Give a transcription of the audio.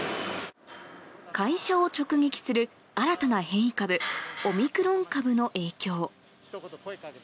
会社を直撃する新たな変異株、オミクロン株の影響。